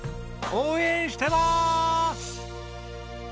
応援してます！